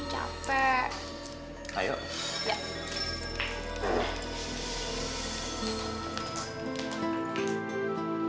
kau kok suka merk karité gitu